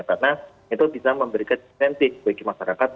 karena itu bisa memberikan sifat bagi masyarakat